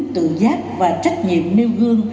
tự giác và trách nhiệm nêu gương